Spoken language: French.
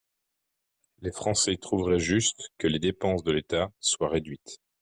Les Français trouveraient juste que les dépenses de l’État soient réduites.